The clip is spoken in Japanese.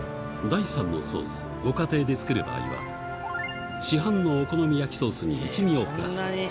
第３のソースご家庭で作る場合は市販のお好み焼きソースに一味をプラス